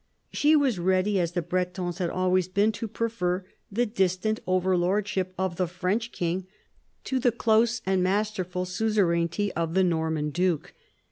She was ready, as the Bretons had always been, to prefer the distant overlordship of the French king to the close and masterful suzerainty of the Norman duke.